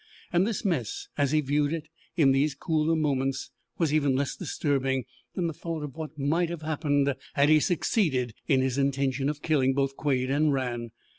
And this mess, as he viewed it in these cooler moments, was even less disturbing than the thought of what might have happened had he succeeded in his intention of killing both Quade and Rann.